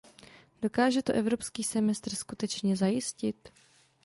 Dokáže to evropský semestr skutečně zajistit?